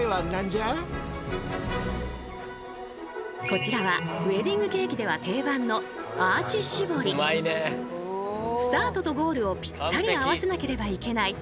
こちらはウエディングケーキでは定番のスタートとゴールをぴったり合わせなければいけない